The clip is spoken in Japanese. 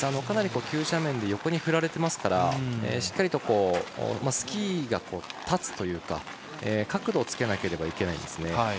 かなり急斜面で横に振られますからしっかりとスキーが立つというか角度をつけなければいけないんですね。